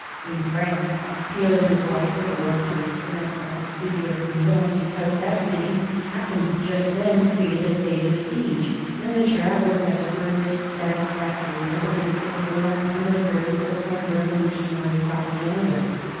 In France, Peel and his wife were brought to a stand at the city of Lyons because that city happened just then to be in a state of siege, and the travellers had to furnish satisfactory evidence that they were not emissaries of some revolutionary propaganda.